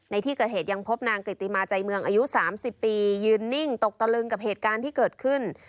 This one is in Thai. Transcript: ในที่เกิดเหตุยังพบนางกริติมาใจเมืองอายุ๓๐ปียืนนิ่งตกตะลึงกับเหตุการณ์ที่เกิดขึ้น